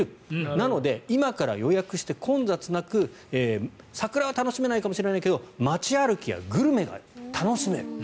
なので、今から予約して混雑なく桜は楽しめないかもしれないけど街歩きやグルメが楽しめる。